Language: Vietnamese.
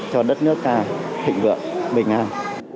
cho đất nước ta thịnh vượng bình an